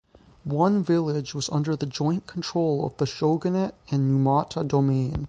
One village was under the joint control of the Shogunate and Numata Domain.